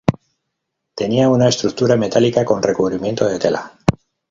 Tenía una estructura metálica con recubrimiento de tela.